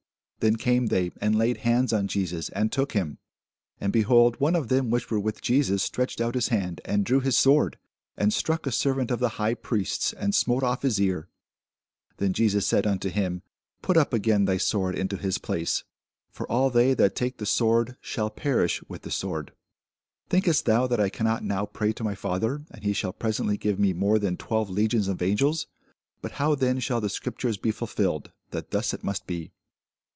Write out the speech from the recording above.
Then came they, and laid hands on Jesus, and took him. And, behold, one of them which were with Jesus stretched out his hand, and drew his sword, and struck a servant of the high priest's, and smote off his ear. Then said Jesus unto him, Put up again thy sword into his place: for all they that take the sword shall perish with the sword. Thinkest thou that I cannot now pray to my Father, and he shall presently give me more than twelve legions of angels? But how then shall the scriptures be fulfilled, that thus it must be?